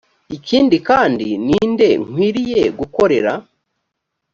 ikindi kandi ni nde nkwiriye gukorera?